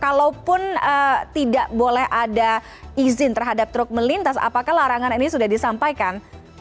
kalaupun tidak boleh ada izin terhadap truk melintas apakah larangan ini sudah disampaikan